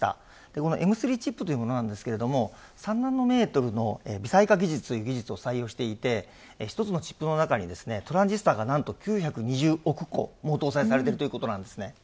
このＭ３チップというものなんですけれども３ナノメートルの微細化技術という技術を採用していて１つのチップの中にですねトランジスタが何と９２０億個も搭載されているということなんですね。